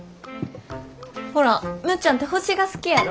ほらむっちゃんて星が好きやろ？